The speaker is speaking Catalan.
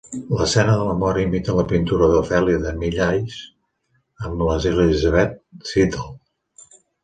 L'escena de la mort imita la pintura d'Ofèlia de Millais amb Elizabeth Siddal.